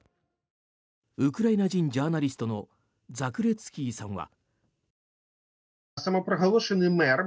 ウクライナ人ジャーナリストのザクレツキーさんは。